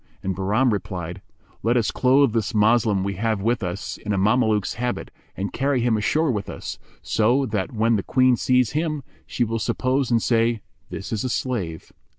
and Bahram replied, "Let us clothe this Moslem we have with us in a Mameluke's habit and carry him ashore with us, so that when the Queen sees him, she will suppose and say, 'This is a slave.'